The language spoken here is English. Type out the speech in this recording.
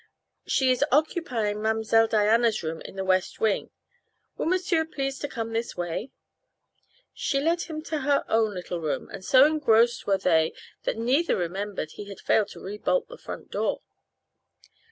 "She is occupying Ma'm'selle Diana's room, in the west wing. Will monsieur please to come this way?" She led him to her own little room, and so engrossed were they that neither remembered he had failed to rebolt the front door.